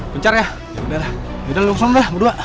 kencernya ya udah langsung berdua